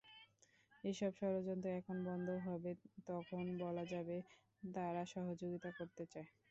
এসব ষড়যন্ত্র যখন বন্ধ হবে, তখন বলা যাবে তারা সহযোগিতা করতে চায়।